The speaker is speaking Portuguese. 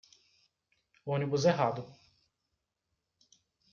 Ônibus errado